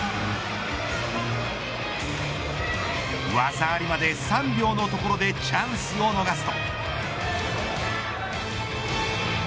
技ありまで３秒のところでチャンスを逃すと。